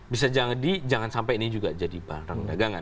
bisa jangan sampai ini juga jadi barang dagangan